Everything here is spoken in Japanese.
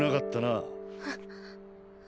あっ。